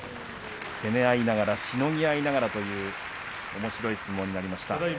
攻め合いながらしのぎ合いながらという相撲でした。